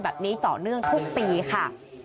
แบบนี้ต่อเนื่องทุกปีค่ะ